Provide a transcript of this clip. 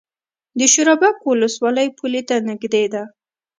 د شورابک ولسوالۍ پولې ته نږدې ده